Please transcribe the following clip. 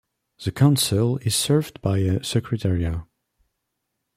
The Council is served by a secretariat.